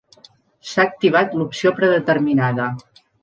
S'ha activat l'opció predeterminada.